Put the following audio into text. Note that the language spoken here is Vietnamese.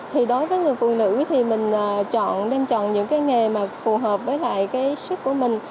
thì đối với người phụ nữ thì mình chọn nên chọn những cái nghề mà phù hợp với lại cái sức của mình